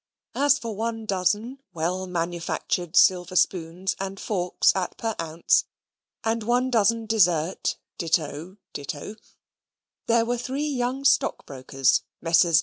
As for one dozen well manufactured silver spoons and forks at per oz., and one dozen dessert ditto ditto, there were three young stockbrokers (Messrs.